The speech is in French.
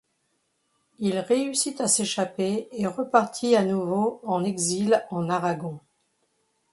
Il réussit à s'échapper et repartit à nouveau en exil en Aragon.